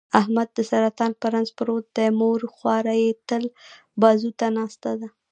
احمد د سرطان په رنځ پروت دی، مور خواره یې تل بازوته ناسته ده.